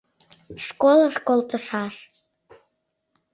Школыш колтышаш!